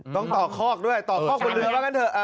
ต้องต่อคอกด้วยต่อคอกบนเรือว่างั้นเถอะ